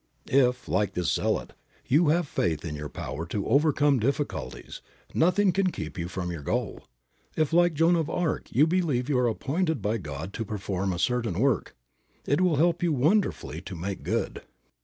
If, like this zealot, you have faith in your power to overcome difficulties, nothing can keep you from your goal. If, like Joan of Arc, you believe you are appointed by God to perform a certain work, it will help you wonderfully to make good.